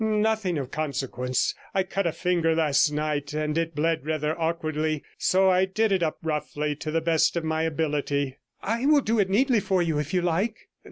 'Nothing of consequence. I cut a finger last night, and it bled rather awkwardly. So I did it up roughly to the best of my ability.' 'I will do it neatly for you, if you like.'